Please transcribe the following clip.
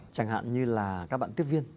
chẳng hạn như là các bạn tiếp viên